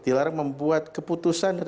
dilarang membuat keputusan